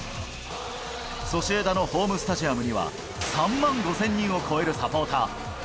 ソシエダのホームスタジアムには、３万５０００人を超えるサポーター。